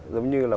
giống như là